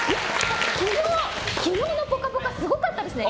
昨日の「ぽかぽか」すごかったですね。